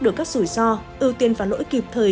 được các rủi ro ưu tiên và lỗi kịp thời